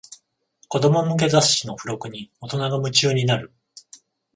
子供向けの雑誌の付録に大人が夢中になる